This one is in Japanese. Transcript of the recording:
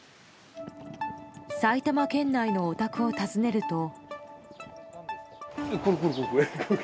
埼玉県内のお宅を訪ねると。